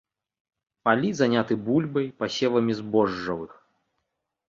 Палі заняты бульбай, пасевамі збожжавых.